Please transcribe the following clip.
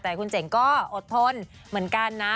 แต่คุณเจ๋งก็อดทนเหมือนกันนะ